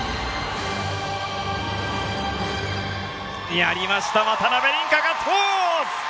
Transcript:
やりました、渡辺倫果ガッツポーズ！